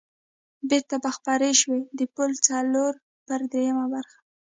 بېرته به خپرې شوې، د پل څلور پر درېمه برخه.